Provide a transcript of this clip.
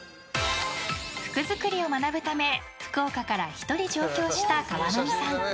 服作りを学ぶため福岡から１人上京してきた川波さん。